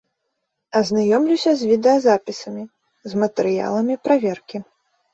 Азнаёмлюся з відэазапісамі, з матэрыяламі праверкі.